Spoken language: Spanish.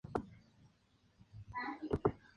David que fueron asesinados unos días antes.